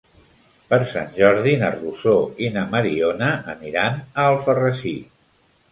Per Sant Jordi na Rosó i na Mariona aniran a Alfarrasí.